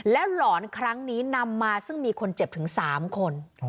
แล้วหลอนครั้งนี้นำมาซึ่งมีคนเจ็บถึง๓คน